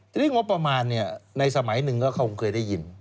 ทีนี้งบประมาณในสมัยหนึ่งก็คงเคยได้ยิน